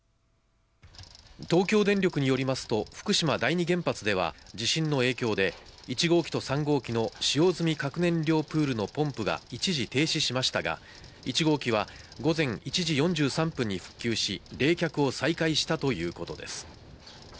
東京電力によりますと福島第二原発では、地震の影響で１号機と３号機の使用済み核燃料プールのポンプが一時停止しましたが、１号機は午前１時４３分に復旧し、冷却を再開したということです。